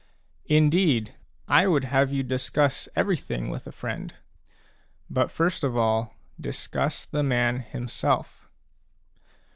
Indeed, I would have you discuss every thing with a friend ; but first of all discuss the man himself.